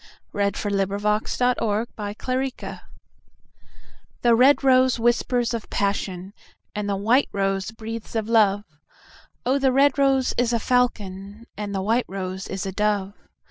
1844–1890 831. A White Rose THE red rose whispers of passion, And the white rose breathes of love; O the red rose is a falcon, And the white rose is a dove.